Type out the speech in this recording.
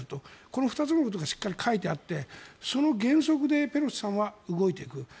この２つのことがしっかり書いてあってその原則でペロシさんは動いていく。